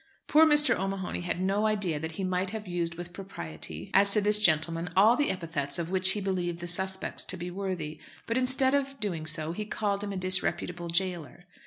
Poor Mr. O'Mahony had no idea that he might have used with propriety as to this gentleman all the epithets of which he believed the "suspects" to be worthy; but instead of doing so he called him a "disreputable jailer."